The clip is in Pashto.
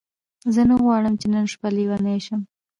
زه نه غواړم چې نن شپه لیونۍ شې.